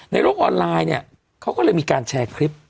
ในโลกออนไลน์เนี่ยเขาก็เลยมีการแชร์คลิป